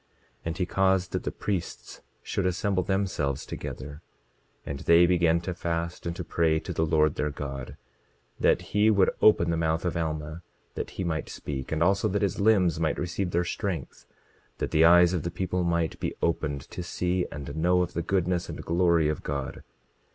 27:22 And he caused that the priests should assemble themselves together; and they began to fast, and to pray to the Lord their God that he would open the mouth of Alma, that he might speak, and also that his limbs might receive their strength—that the eyes of the people might be opened to see and know of the goodness and glory of God.